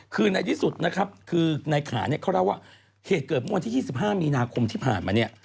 คือในที่สุดนะครับคือในขาเนี่ยเขาเล่าว่าเหตุเกิดเมื่อวันที่๒๕มีนาคมที่ผ่านมาเนี่ย